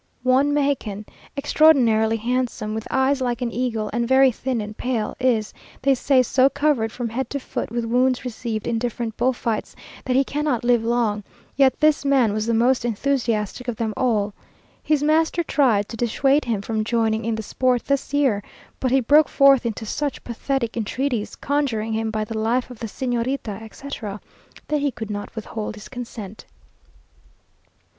One Mexican, extraordinarily handsome, with eyes like an eagle, and very thin and pale, is, they say, so covered from head to foot with wounds received in different bullfights, that he cannot live long; yet this man was the most enthusiastic of them all. His master tried to dissuade him from joining in the sport this year; but he broke forth into such pathetic entreaties, conjuring him "by the life of the Señorita," etc., that he could not withhold his consent.